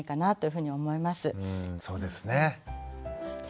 うんそうですね。